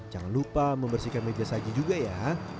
jangan lupa membersihkan meja saji juga ya